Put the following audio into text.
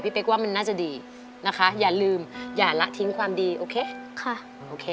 เป๊กว่ามันน่าจะดีนะคะอย่าลืมอย่าละทิ้งความดีโอเคค่ะโอเค